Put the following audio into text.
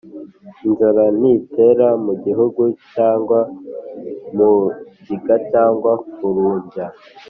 inzara nitera mu gihugu cyangwa mugiga cyangwa kurumbya